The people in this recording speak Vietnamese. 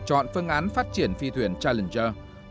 chọn phương án phát triển phi thuyền challenger